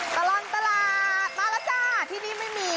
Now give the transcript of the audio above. นั่นคือผู้พ่อป่านน้ำอ่ะ